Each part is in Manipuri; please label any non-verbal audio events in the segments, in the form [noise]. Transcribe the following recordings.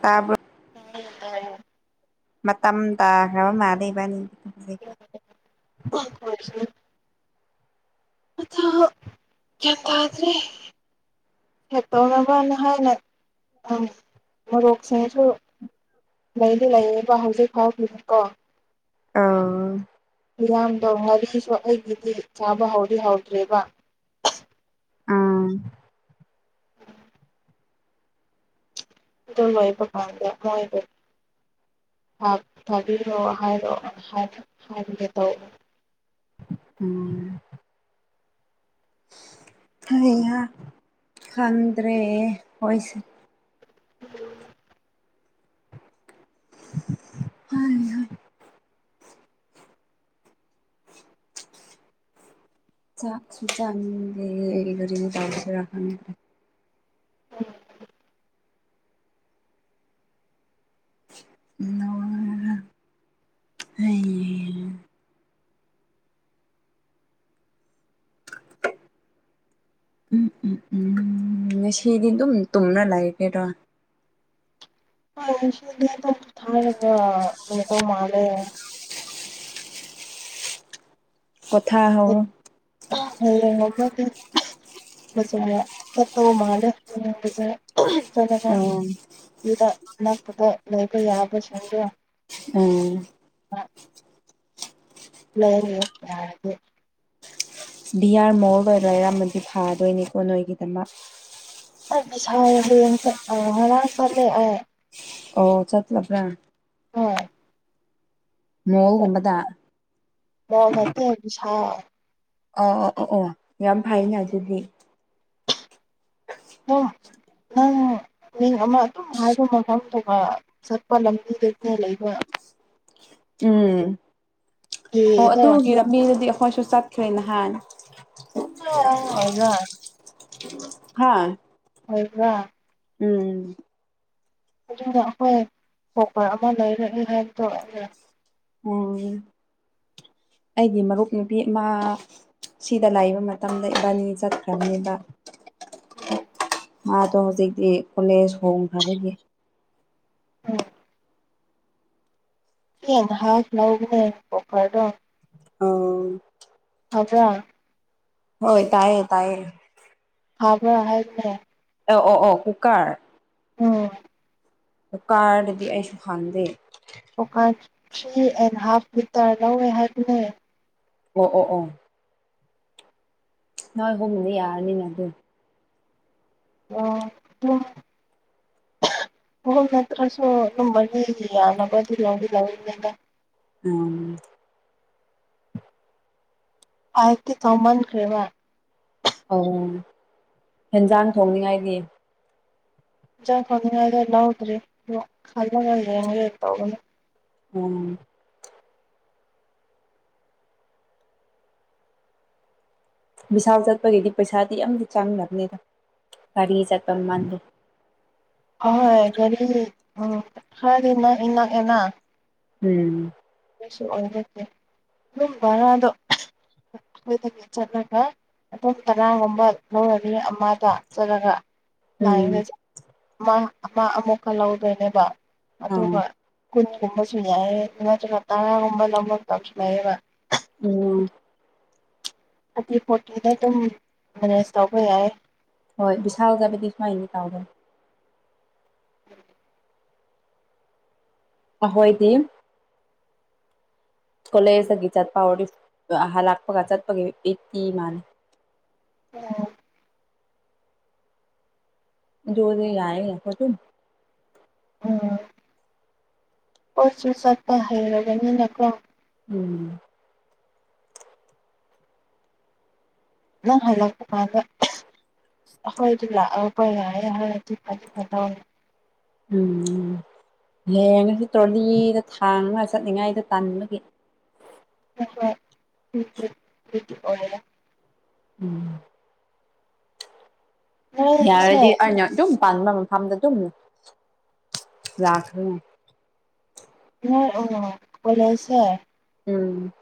ꯇꯥꯕꯔꫭ ꯎꯝ ꯇꯥꯏ ꯑꯦ ꯃꯇꯝ ꯇꯥꯈ꯭ꯔꯕ ꯃꯥꯜꯂꯤ ꯏꯕꯥꯟꯅꯤ ꯒꯤꯁꯦ ꯍꯣꯏ [unintelligible] ꯑꯗꫭ ꯒꯌꯥꯟ ꯇꯥꯗ꯭ꯔꯦ ꯍꯦꯛꯇꯧꯅꯕꯅ ꯍꯥꯏꯅ ꯎ ꯃꯣꯔꯣꯛꯁꯤꯡꯁꯨ ꯂꯩꯗꯤ ꯂꯩꯌꯦꯕ ꯍꯧꯖꯤꯛ ꯐꯥꯎꯒꯤꯗꯤꯀꫭ ꯑꫭ ꯃꯤꯌꯥꯝꯗꯣ ꯉꯥꯔꯤꯁꯨ ꯑꯩꯒꯤꯗꯤ ꯆꯥꯕ ꯍꯧꯗꯤ ꯍꯧꯗ꯭ꯔꯦꯕ ꯑꯥ ꯑꯗꯨ ꯂꫭꯏꯕꯀꯥꯟꯗ ꯃꫭꯏꯗꫭ ꯊꯥꯕꯤꯔꯣꯑꯣ ꯍꯥꯏꯔꯣ ꯍꯥꯏꯔꯒꯦ ꯇꯧꯕ ꯎꯝ ꯑ ꯈꯗ꯭ꯔꯦ ꯍꯣꯏꯁꯦ ꯍꯩꯍꯥ ꯆꯥꯛ ꯁꯨ ꯆꯅꯤꯡꯗꯦ ꯀꯔꯤꯅꫭ ꯇꯧꯁꯤꯔ ꯈꯪꯗꯦ ꯎꯝ ꯅꯧꯋꯔ ꯂꯩꯔꯤ ꯎꯝ ꯎꯝ ꯎꯝ ꯉꯁꯤꯗꯤ ꯑꯗꯨꯝ ꯇꯨꯝꯔ ꯂꯩꯒꯦꯔꯣ ꯊꯒ ꯃ ꯃꯥꯂꯦ ꯄꫭꯊꯍꯧꯔꫭ [unintelligible] ꯃꯖꯅ ꯐꯠꯇꯧ ꯃꯥꯗꯦꯖ ꯎꯝ [unintelligible] ꯎꯝ ꯑ ꯂꯩꯔꫭ ꯌꯥꯔꯗꯤ ꯕꯤ ꯑꯥꯔ ꯃꯣꯜꯒ ꯂꯩꯔꯝꯃꯗꯤ ꯐꯥꯗꯣꯏꯅꯤꯀꯣ ꯅꯣꯏꯒꯤꯗꯃꯛ ꯑ ꯕꯤꯁꯥꯜ ꯉꯔꯥꯡꯁꯨ ꯆꯠ ꯑ ꯉꯔꯥꯡ ꯆꯠꯂꯤ ꯑ ꯑꯣ ꯆꯠꯂꯕ꯭ꯔꯥ ꯍꯣꯏ ꯃꯣꯜꯒꯨꯝꯕꯗ ꯃꫭꯜ ꯅꯇꯦ ꯕꯤꯁꯥꯜ ꯑ ꯑꯣ ꯑꯣ ꯑꯣ ꯌꯥꯝ ꯐꯩꯅ ꯑꯗꯨꯗꯤ ꯑꯣ ꯅꯪ ꯃꯤꯡ ꯑꯃ ꯑꯗꯨꯝ ꯍꯥꯏꯕ ꯃꯐꯝꯗꯨꯒ ꯆꯠꯄ ꯂꯝꯕꯤꯗꯩꯅ ꯂꯩꯕ ꯎꯝ ꯑꯣ ꯀꯦꯗꯣ ꯑꯗꯨꯒꯤꯂꯝꯕꯤꯗꯨꯗꯤ ꯑꯩꯈꯣꯏꯁꯨ ꯆꯠꯈ꯭ꯔꯦ ꯅꯍꯥꯟ ꯑꯣ ꯑꯣꯏꯕ꯭ꯔ ꯍꯥꯥ ꯑꯣꯏꯕ꯭ꯔ ꯎꯝ ꯑꯗꯨꯏꯗꫭ ꯑꯧꯈꫭꯏ ꯊꯣꯛꯄ꯭ꯔ ꯑꯃ ꯂꯩꯔꯛꯑ ꯍꯥꯏꯕꯗꫭ ꯑꫭꯏꯗꫭꯏꯔ ꯎ ꯑꯩꯒꯤ ꯃꯔꯨꯞ ꯅꯨꯄꯤ ꯑꯃ ꯁꯤꯗ ꯂꯥꯛꯏꯕ ꯃꯇꯝꯗ ꯏꯕꯥꯅꯤ ꯆꯠꯈ꯭ꯔꯕꯅꯦꯕ ꯑꯣꯝ ꯃꯥꯗꯣ ꯍꯧꯖꯤꯛꯇꯤ ꯀꯣꯂꯦꯖ ꯍꯣꯡꯈ꯭ꯔꯗꯒꯤ ꯎꯃ ꯇꯦꯟ ꯍꯥꯞ ꯂꯧꯕꯅꯦ ꯕ꯭ꯔꯣꯀꯔꯗꯣ ꯑ ꯐꯕ꯭ꯔ ꯍꯣꯏ ꯇꯥꯏꯌꯦ ꯇꯥꯏꯌꯦ ꯐꯕ꯭ꯔ ꯍꯥꯏꯕꯔꯦ ꯑꯣ ꯑꯣ ꯑꯣ ꯍꯨꯛꯀꯔ ꯎꯝ ꯍꯨꯛꯀꯥꯔꯗꯗꯤ ꯑꯩꯁꯨ ꯄꯥꯟꯗꯦ cooker three and half litre ꯂꯩꯌꯦ ꯍꯥꯏꯕꯅꯦ ꯑꯣ ꯑꯣ ꯑꯣ ꯅꯣꯏ ꯍꯣꯡꯅꯤ ꯌꯥꯔꯅꯤꯅ ꯑꯗꯨ ꯑꯣ ꯍ ꯑꯣꯅꯠꯇ꯭ꯔꯁꯨ ꯑꯗꯨ ꯃꯅꯤꯒꯤ ꯌꯥꯅꯕ ꯂꯧꯗꯤ ꯂꯧꯅꯤꯗ ꯎꯝ ꯑꯥꯏꯇꯤ ꯇꯥꯡ ꯃꯟ ꯈꯔ꯭ꯦꯕꯥ ꯑꯧ ꯍꯦꯟꯖꯥꯡ ꯊꯣꯡꯅꯤꯡꯉꯥꯏꯒꯤ ꯎꯗꯔꯤ ꯈꯜꯂꯒ ꯌꯦ ꯇꯧꯕꯅ ꯎꯝ ꯕꯤꯁꯥꯟ ꯆꯠꯄꯒꯤꯗꯤ ꯄꯩꯁꯥꯗꯤ ꯌꯥꯝꯗꯤ ꯆꯥꯡꯅꯕꯅꯦꯗ ꯒꯥꯔꯤ ꯆꯠꯄ ꯃꯥꯟꯗꯦ ꯑꯍ ꯍꯣꯏ ꯒꯥꯔꯤ ꯎꯝ ꯈꯔꯗꯤ ꯅꯛꯏ ꯅꯛꯑꯅ ꯎꯝ ꯀꯩꯁꯨ ꯑꯣꯏꯖꯦ ꯑꯗꯨꯝ ꯚꯔꯥꯗꯣ ꯑꯩꯈꯣꯏꯗꯒꯤ ꯆꯠꯂꯒ ꯑꯣꯝ ꯀꯅꯥꯒꯨꯝꯕ ꯂꯧꯔꯅꯤ ꯑꯃ ꯇ ꯆꯠꯂꯒ ꯏ ꯎꯝ ꯑꯃ ꯑꯃ ꯑꯃꯨꯛꯀ ꯂꯧꯗꯣꯏꯅꯦꯕ ꯑꯗꯨꯒ ꯑꯥ ꯀꯨꯟꯒꯨꯝꯕꯁꯨ ꯌꯥꯏꯌꯦ ꯅꯠꯇ꯭ꯔꯒ ꯇꯔꯥꯒꯨꯝꯕ ꯂꯧꯔꯛꯇꯁꯨ ꯌꯥꯏꯑꯕ ꯎꯝ ꯊꯥꯔꯇꯤ ꯐꯣꯔꯇꯤꯗ ꯑꯗꯨꯝ ꯃꯦꯅꯦꯖ ꯇꯧꯕ ꯌꯥꯏ ꯍꯣꯏ ꯕꯤꯁꯥꯜꯗꯕꯨꯗꯤ ꯁꯨꯃꯥꯏꯅꯤ ꯇꯥꯎꯗ ꯑꯍꯣꯏꯗꯤ ꯀꯣꯂꯦꯖꯇꯒꯤ ꯆꯠꯄ ꯍꯧꯔ ꯑꯍ ꯂꯥꯛꯄꯒ ꯆꯠꯄꯒꯤ ꯑꯩꯠꯇꯤ ꯃꯥꯜꯂ ꯑꯣꯝ ꯑꯗꯨ ꯑꯣꯏꯗꯤ ꯌꯥꯏ ꯎꯝ ꯄꯣꯠꯁꯨ ꯆꯠꯄ ꯍꯩꯔꯕꯅꯤꯅꯀꯣ ꯎꯝ ꯅꯡ ꯍꯟꯂꯛꯄ ꯀꯥꯟ ꯗ ꯍꯣꯏ ꯑꯗꯨ ꯂꯥꯛꯑꯣ ꯑꯩꯏ ꯂꯥꯛꯑꯦ ꯌꯥꯗꯤ ꯐꯗꯤ ꯐꯥꯇꯧ ꯎꯝ ꯎꯝ ꯍꯌꯦꯡꯉꯁꯤ ꯇ꯭ꯔꯣꯂꯤꯗ ꯊꯥꯡꯉꯒ ꯆꯠꯅꯤꯡꯉꯥꯏꯗ ꯇꯥꯟꯅꯤꯡꯕꯒꯤ ꯍꯣꯏ ꯑꯣꯏ ꯎꯝ ꯅꯣꯏꯁꯦ ꯌꯥꯔꯗꯤ ꯑꯩꯅ ꯑꯗꯨꯝ ꯄꯥꯟꯕ ꯃꯐꯝꯗ ꯑꯗꯨꯝ ꯂꯥꯛꯈꯅꯤ ꯑꯣꯏ ꯑ ꯀꯣꯂꯦꯖꯁꯦ ꯎꯝ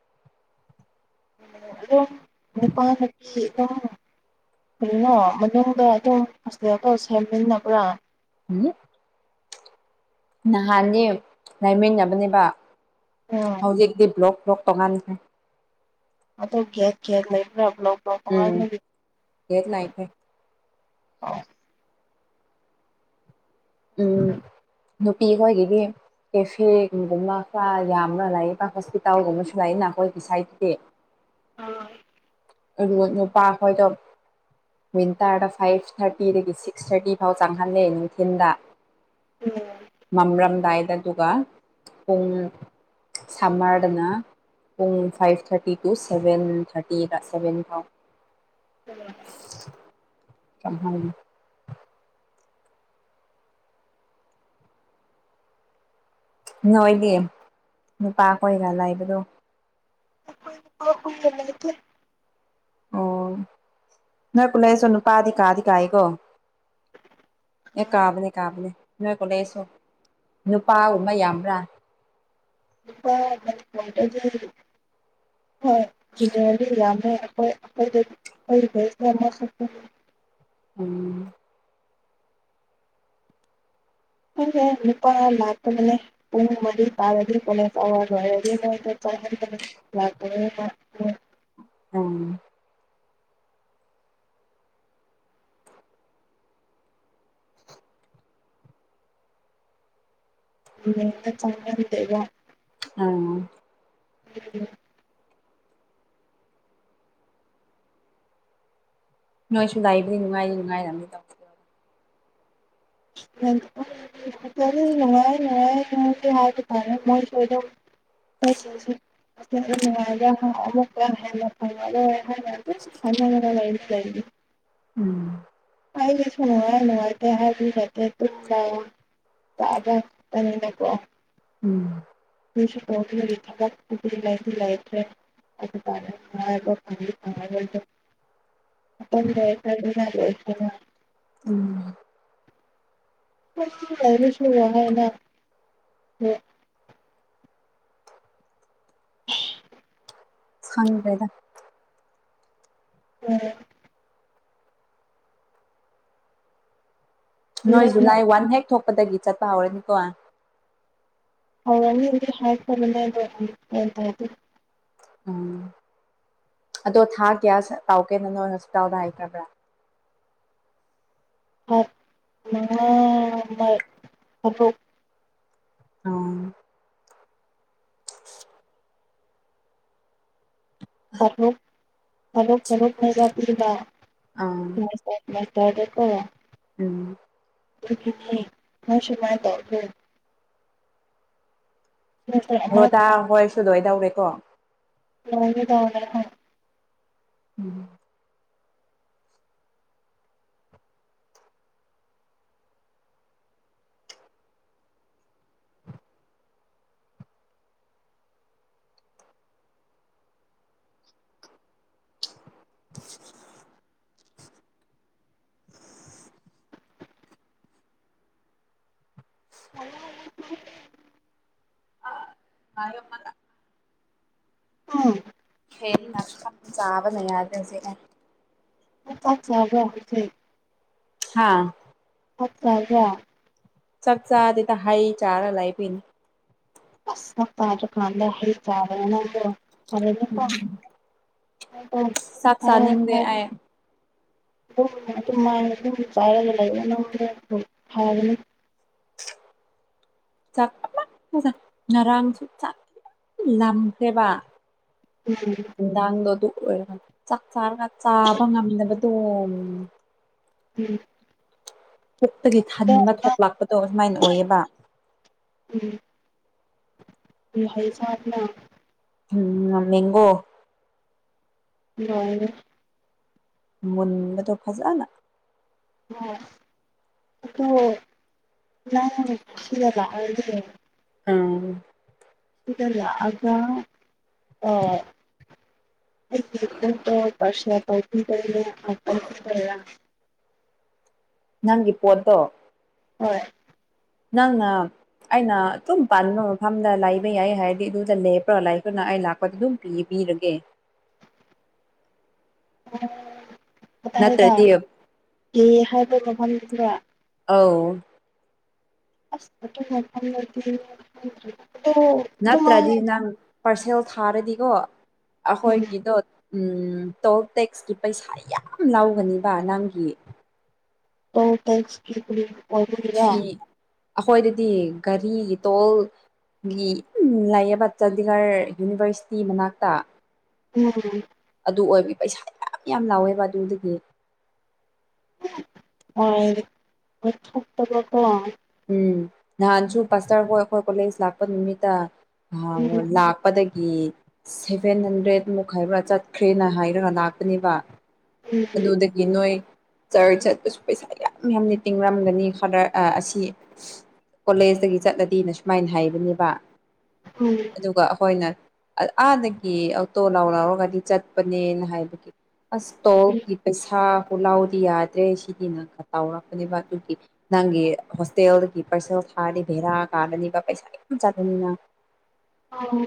ꯄꯥ ꯀ [unintelligible] ꯀꯅꯣ ꯃꯅꯨꯡꯗ ꯑꯗꯨꯝ ꯍꯣꯁꯇꯦꯜꯗꯣ ꯁꯦꯝꯃꯤꯟꯅꯕ꯭ꯔꯥ ꯎꯝ ꯅꯍꯥꯟꯗꯤ ꯂꯩꯃꯤꯟꯅꯕꯅꯦꯕ ꯎꯝ ꯍꯧꯖꯤꯛꯇꯤ ꯕ꯭ꯂꯣꯛ ꯕ꯭ꯂꯣꯛ ꯇꯣꯉꯥꯟꯗ꯭ꯔꯦ ꯑꯣ ꯒꯦꯠ ꯒꯦꯠ ꯂꯩꯕ꯭ꯔꯥ ꯕ꯭ꯂꯣꯛ ꯕ꯭ꯂꯣꯛ ꯎꯝ ꯇꯉꯥꯏꯅ ꯒꯦꯠ ꯂꯩꯈ꯭ꯔꯦ ꯑ ꯎꯝ ꯅꯨꯄꯤ ꯑꯣꯏꯒꯤꯗꯤ ꯀꯦꯐꯦꯒꯨꯝꯕ ꯈꯔ ꯌꯥꯝꯅ ꯂꯥꯛꯌꯦ ꯍꯣꯁꯄꯤꯇꯥꯜꯒꯨꯝꯕꯁꯨ ꯂꯥꯛꯏ ꯅꯈꯣꯏꯒꯤ ꯁꯥꯏꯠꯇꯗꯤ ꯑ ꯑꯨ ꯅꯨꯄꯥ ꯈꯣꯏꯗꯣ ꯋꯤꯟꯇꯔꯗ ꯐꯥꯏꯚ ꯊꯥꯔꯇꯤꯗꯒꯤ ꯁꯤꯛꯁ ꯊꯥꯔꯇꯤ ꯐꯥꯎ ꯆꯪꯍꯜꯂꯦ ꯅꯨꯡꯊꯤꯟꯗ ꯃꯝꯔꯝꯗꯥꯏꯗ ꯑꯗꯨꯒ ꯄꯨꯡ ꯁꯝꯃꯥꯔꯗꯅ ꯄꯨꯡ five thirty to seven thirty ꯁꯥ ꯕꯦꯟꯐꯥꯎ ꯍ [unintelligible] ꯝ [unintelligible] ꯅꯣꯢꯗꯤ ꯅꯨꯄꯥꯈꯣꯏꯒ ꯂꯩꯕꯗꯣ [unintelligible] ꯑꯣ ꯅꯣꯏ ꯄꯨꯂꯁꯨ ꯅꯨꯄꯥꯗꯤ ꯀꯥꯗꯤ ꯀꯥꯏꯀꯣ ꯑꯦ ꯀꯥꯕꯅꯤ ꯀꯥꯕꯅꯦ ꯅꯣꯏ ꯀꯣꯂꯦꯖꯁꯨ ꯅꯨꯄꯥꯒꯨꯝꯕ ꯌꯥꯝꯕ꯭ꯔꯥ ꯂꯨꯄꯥ ꯍꯣꯏ ꯖꯨꯅꯤꯑꯔ ꯗꯤ ꯌꯝꯃꯦ ꯈ ꯑꯩꯈ ꯑꯣꯏꯔꯃ ꯁ ꯎꯝ ꯑꯗꯨꯦ ꯅꯨꯄꯥ ꯂꯥꯛꯇꯗꯅꯦ ꯎꯋꯥ ꯎꯝ ꯆꯥꯡꯅ ꯍꯠꯇꯦ ꯋꯥ ꯎꯝ ꯎꯝ ꯅꯣꯏꯁꯨ ꯂꯩꯕꯅꯤ ꯅꯨꯡꯉꯥꯏꯔꯤ ꯅꯨꯡꯉꯥꯏꯔꯝꯅꯤ ꯇꯗꯣ ꯆꯅꯨꯡꯉꯅꯨꯡꯉ ꯍꯥ ꯎꯔꯦ ꯃꯣꯏ ꯁꯗ ꯑꯇꯩꯁꯤꯡꯁꯨ ꯅꯨꯡꯉꯥꯏꯕ ꯑꯃꯨꯛꯀ ꯍ ꯑ ꯍꯥꯏ ꯍꯁꯅꯤ ꯎꯝ ꯑꯩꯁꯨꯅꯅꯨꯡꯉ ꯅꯨꯡꯉꯔ ꯍꯥꯏꯔ ꯌꯦ ꯇ ꯂꯑꯣ ꯆꯥꯕ ꯇꯅꯤꯅꯀꯣ ꯎꯝ ꯁꯨ ꯇꯒꯤ ꯊꯕꯛꯔꯤꯗꯤ ꯂꯩꯈ꯭ꯔꯦ ꯇ ꯈꯪ ꯈꯉꯇ ꯌꯥ ꯁ ꯎꯝ ꯔꯁꯨ ꯍꯥꯏꯅ ꯐꯪꯉ ꯀꯗ ꯎꯝ ꯅꯣꯏ ꯅꯣꯡꯃ ꯖꯨꯂꯥꯏ ꯋꯥꯟ ꯍꯦꯛ ꯊꯣꯛꯄꯗꯒꯤ ꯆꯠꯄ ꯍꯧꯔꯅꯤꯀꯣ ꯍ ꯍꯥꯏ ꯇ ꯑꯗꯨꯗꯤ ꯎꯝ ꯑꯗꯣ ꯊꯥ ꯀꯌꯥ ꯇꯥꯎꯒꯦꯅ ꯅꯣꯏ ꯍꯣꯁꯄꯤꯇꯥꯜꯗ ꯍꯥꯏꯇꯕ꯭ꯔꯥ ꯍꯥ ꯅꯅ ꯃꯥꯏ ꯍꯥꯔꯄ ꯑꯥ ꯄꯣꯛ ꯄꯊꯣꯛ ꯊꯊꯣꯛ ꯉꯥꯏꯕ ꯄꯤ ꯑ ꯃ ꯇꯗꯦ ꯀ ꯎꯝ ꯃꯣꯏ ꯁꯃꯥꯏ ꯇꯦ ꯁꯦꯃꯤꯁꯇꯔ ꯑꯃ ꯍꯣꯗꯥ ꯍꯣꯏ ꯁꯨꯗꯣꯏ ꯇꯧꯔꯦꯀꯣ ꯂ ꯇ ꯎꯝ [inaudible] ꯑ ꯃꯥꯃ ꯎꯝ ꯍꯦꯔꯤ ꯅ ꯆꯥꯕꯅ ꯌꯥꯗꯁꯦ ꯠ ꯆꯕꯣ ꯍꯥꯥ ꯑꯆꯥ ꯆꯠ ꯆꯗ ꯇ ꯍꯥꯏ ꯆꯥ ꯂꯥꯏꯕꯤ ꯑ ꯇꯥꯖ ꯀꯥꯟꯗ ꯍ ꯆꯥꯕꯅ ꯍ ꯆꯥꯛ ꯆꯥꯅꯤꯡꯗꯦ ꯍ ꯑꯩ ꯑꯗꯨ ꯃꯥꯏ ꯆꯥꯏꯔꯒ ꯂꯩꯕ ꯅ ꯊꯥꯕꯅꯤ ꯆꯥꯛ ꯉꯔꯥꯡꯁꯨ ꯆꯥꯛ ꯂꯈꯦꯕ ꯎꯝ ꯅꯨꯡꯗꯥꯡꯗꯣ ꯑꯗꯨ ꯑꯣꯏꯔꯒ ꯆꯥꯛ ꯆꯥꯔꯒ ꯆꯥꯕ ꯉꯝꯗꯕꯗꯣ ꯎꯝ ꯀꯛꯇꯒꯤ ꯊꯟꯕ ꯎꯝ ꯊꯣꯛꯂꯛꯄꯗꯣ ꯑꯁꯨꯃꯥꯏꯅ ꯑꯣꯏꯌꯦꯕ ꯎꯝ ꯁꯥꯅ ꯎꯝ ꯃꯒꯣ ꯑꯣ ꯃꯨꯟꯕꯗꯣ ꯐꯖꯅ ꯑꯣ ꯑꯣꯁꯤ ꯂꯥꯛꯗꯤ ꯑꯥ ꯗ ꯑꯗ ꯑ ꯄꯔꯁ ꯄꯊ ꯀ ꯑꯊ ꯇ ꯅꯪꯒꯤ ꯄꯣꯠꯇꯣ ꯍꯣꯏ ꯅꯪꯉ ꯑꯩꯅ ꯑꯗꯨꯝ ꯄꯥꯟꯕꯥ ꯃꯐꯝꯗ ꯂꯥꯏꯕ ꯌꯥꯏ ꯍꯥꯏꯔꯗꯤ ꯑꯗꯨꯗ ꯂꯦꯞꯄ꯭ꯔꯣ ꯂꯥꯏꯅ ꯑꯩ ꯂꯥꯛꯄꯗ ꯑꯗꯨꯝ ꯄꯤꯕꯤꯔꯒꯦ ꯅꯠꯇ꯭ꯔꯗꯤ ꯗ ꯀ ꯍꯥꯏꯕ ꯃꯐꯝꯗꯨꯗ ꯑꯥꯎ ꯑꯁ ꯑꯗꯨ ꯃꯐꯝ ꯅꯠꯇ꯭ꯔꯗꯤ ꯅꯪ ꯄꯥꯔꯁꯦꯜ ꯊꯥꯔꯗꯤꯀꯣ ꯎꯝ ꯑꯩꯈꯣꯏꯒꯤꯗꯣ ꯎ ꯇꯣꯜ ꯇꯦꯛꯁꯀꯤ ꯄꯩꯁꯥ ꯌꯥꯝ ꯂꯥꯎꯒꯅꯤꯕ ꯅꯪꯒꯤ ꯍꯥꯎ ꯇꯁ ꯐꯤ ꯑꯩꯈꯣꯏꯗꯗꯤ ꯒꯥꯔꯤ ꯇꯣꯜ ꯒꯤ ꯂꯥꯏꯌꯦꯕ ꯆꯥꯟꯗꯤꯒꯔ ꯌꯨꯅꯤꯚꯔꯁꯤꯇꯤ ꯃꯅꯥꯛꯇ ꯎꯝ ꯑꯗꯨ ꯑꯣꯏꯕ ꯄꯩꯁꯥ ꯃꯌꯥꯝ ꯌꯥꯝ ꯂꯥꯎꯋꯦꯕ ꯑꯗꯨꯗꯒꯤ ꯑꯠꯇ ꯎꯝ ꯅꯍꯥꯟꯁꯨ ꯄꯥꯁꯇꯔꯐꯥꯎ ꯑꯩꯈꯣꯏ ꯀꯣꯂꯦꯖ ꯂꯥꯛꯄ ꯅꯨꯃꯤꯠꯇ ꯎꯝ ꯂ ꯀꯠꯄꯗꯒꯤ ꯁꯦꯚꯦꯟ ꯍꯟꯗ꯭ꯔꯦꯗꯃꯨꯛ ꯍꯥꯏꯥꯏꯕ꯭ꯔꯥ ꯆꯠꯈ꯭ꯔꯦꯅ ꯍꯥꯏꯔꯒ ꯂꯥꯛꯄꯅꯦꯕ ꯎꯝ ꯑꯗꯨꯗꯗ ꯒꯤ ꯅꯣꯏ ꯆꯔ ꯆꯠꯄꯁꯨ ꯄꯩꯁꯥ ꯌꯥꯝ ꯌꯥꯝꯅ ꯇꯤꯡꯡꯂꯝꯒꯅꯤꯗ ꯑꯁꯤ ꯀꯣꯂꯦꯖꯇꯒꯤ ꯆꯠꯂꯗꯤꯅ ꯁꯨꯃꯥꯏꯅ ꯍꯥꯏꯕꯅꯦꯕ ꯎꯝ ꯑꯗꯨꯒ ꯑꯩꯈꯣꯏꯅ ꯑꯥꯗꯒꯤ ꯑꯣꯇꯣ ꯂꯥꯎ ꯂꯧꯔꯒꯗꯤ ꯆꯠꯄꯅꯦꯅ ꯍꯥꯏꯕꯒꯤ ꯑꯁꯇꯣꯒꯤ ꯄꯩꯁꯥ ꯂꯥꯎꯗꯤ ꯌꯥꯗ꯭ꯔꯦ ꯁꯤꯗꯤ ꯅꯪ ꯈ ꯇꯥꯎꯔꯛꯄꯅꯦꯕ ꯑꯗꯨꯒꯤ ꯅꯪꯒꯤ ꯍꯣ ꯇꯦꯜꯒꯤꯤꯄꯔꯁꯦꯜ ꯊꯥꯔꯗꯤ ꯚꯦꯔꯥ ꯀꯥꯗꯅꯤꯕ ꯄꯩꯁꯥ ꯆꯥꯗꯅꯤꯅ ꯑꯣ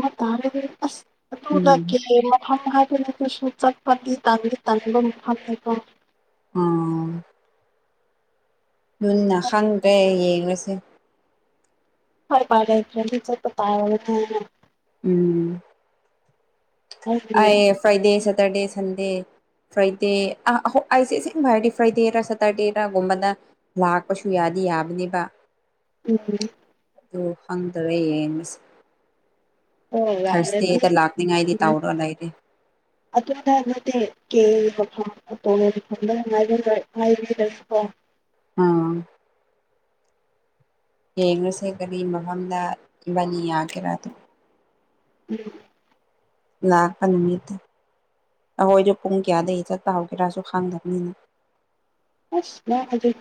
ꯍ ꯇꯥꯔꯒ ꯑ ꯑꯗꯨꯅ ꯎꯝ ꯃꯐꯝ ꯍꯥꯏꯕꯅ ꯀꯩꯁꯨ ꯆꯠꯄꯗꯤ ꯇꯗꯤ ꯇꯟꯕ ꯃꯐꯝ ꯎꯝ ꯂꯨꯟꯅ ꯈꯪꯗ꯭ꯔꯦ ꯌꯦꯡꯉꯁꯦ ꯍꯔ ꯐ꯭ꯔ ꯆ ꯎꯝ ꯑꯩꯒꯤ ꯑ ꯐꯥꯏꯗꯦ ꯁꯦꯇꯔꯗꯦ ꯁꯟꯗꯦ ꯐ꯭ꯔꯥꯏꯗꯦ ꯑ ꯑꯩꯁꯦ ꯁꯦꯡ ꯍꯥꯏꯔꯗꯤ ꯐ꯭ꯔꯥꯏꯗꯦꯔꯥ ꯁꯇꯔꯗꯦꯔꯒꯨꯝꯕꯅ ꯂꯥꯛꯄꯁꯨ ꯌꯥꯗꯤ ꯌꯥꯕꯅꯦꯕ ꯎꯝꯝ ꯑꯗꯨ ꯍꯪꯗꯔꯦ ꯌꯦꯡꯁ ꯑꯣ ꯂꯥꯛꯅꯤꯉꯥꯏꯗꯤ ꯑꯗꯨꯗꯤ ꯇꯧꯔꯒ ꯂꯩꯔꯦ ꯑꯇꯅ ꯅꯗꯤ ꯀꯦꯗꯁꯨ ꯀꯣ ꯑꯥ ꯌꯦꯡꯉꯨꯁꯦ ꯀꯔꯤ ꯃꯐꯝꯗ ꯏꯕꯥꯅꯤ ꯌꯥꯒꯦꯔꯥꯗ ꯎꯝ ꯂꯥꯛꯄ ꯅꯨꯃꯤꯠꯇ ꯑꯩꯈꯣꯏꯁꯨ ꯄꯨꯡ ꯀꯌꯥꯗꯒꯤ ꯆꯠꯄ ꯍꯧꯒꯦꯔꯥꯁꯨ ꯈꯪꯗꯕꯅꯤꯅ ꯑꯁꯅ ꯑꯖꯤ ꯈ